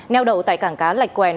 neo đậu tại cảng cá lạch quèn